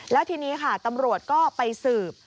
แล้วทีนี้ค่ะตำรวจก็ไปสืบ